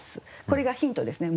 これがヒントですね。